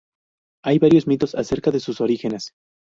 Hay varios mitos acerca de sus orígenes.